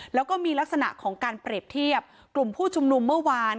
แล้วก็มีลักษณะของการเปรียบเทียบกลุ่มผู้ชุมนุมเมื่อวาน